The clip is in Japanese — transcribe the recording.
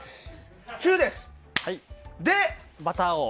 中です！